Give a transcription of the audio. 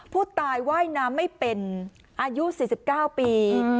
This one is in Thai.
ผู้ตายว่ายน้ำไม่เป็นอายุ๔๙ปี